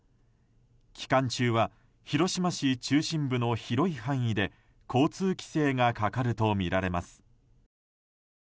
期間中は広島市中心部の広い範囲で交通規制がかかるとみられます。